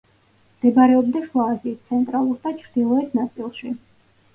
მდებარეობდა შუა აზიის ცენტრალურ და ჩრდილოეთ ნაწილში.